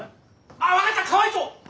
あっ分かったかわいそう！